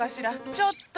ちょっと。